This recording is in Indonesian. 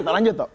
kita lanjut toh